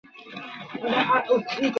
বাবার জন্য অপুর মন কেমন করে।